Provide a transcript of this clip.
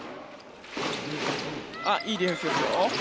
いいディフェンスですよ。